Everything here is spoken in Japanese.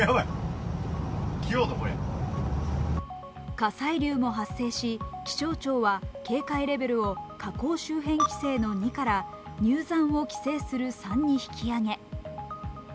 火砕流も発生し、気象庁は警戒レベルを火口周辺規制の２から入山を規制する３に引き上げ。